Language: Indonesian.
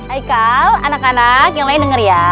ikal anak anak yang lain denger ya